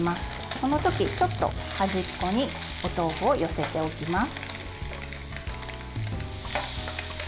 この時、ちょっと端っこにお豆腐を寄せておきます。